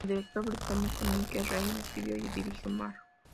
El director británico Mike Leigh escribió y dirigió "Mr.